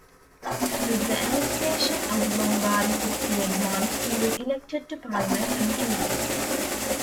With the annexation of Lombardy to Piedmont he was elected to Parliament in Turin.